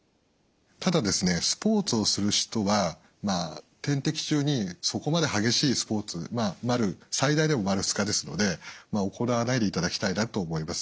ただスポーツをする人は点滴中にそこまで激しいスポーツ最大でも丸２日ですので行わないでいただきたいなと思います。